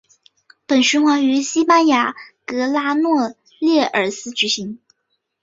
本循环于西班牙格拉诺列尔斯举行。